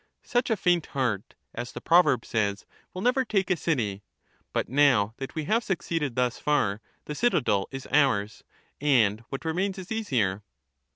Such a faint heart, as the proverb says, will never take a city : but now that we have suc ceeded thus far, the citadel is ours, and what remains is easier.